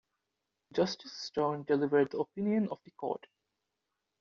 Justice Stone delivered the opinion of the Court.